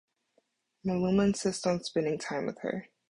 Maluma insists on spending time with her.